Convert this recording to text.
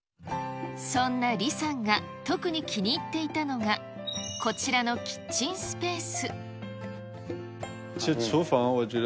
そんな李さんが、特に気に入っていたのが、こちらのキッチンスペース。